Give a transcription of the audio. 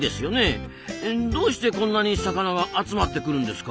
どうしてこんなに魚が集まってくるんですか？